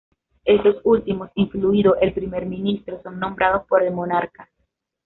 Estos últimos, incluido el Primer Ministro, son nombrados por el monarca.